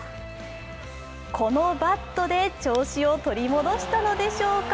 このバットで調子を取り戻したのでしょうか。